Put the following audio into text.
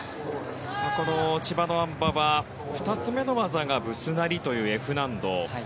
この千葉のあん馬は２つ目の技がブスナリというＦ難度。